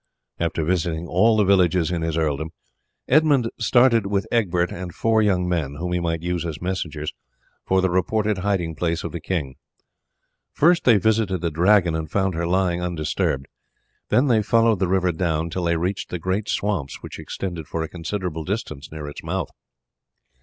After visiting all the villages in his earldom Edmund started with Egbert and four young men, whom he might use as messengers, for the reported hiding place of the king. First they visited the Dragon, and found her lying undisturbed; then they followed the river down till they reached the great swamps which extended for a considerable distance near its mouth.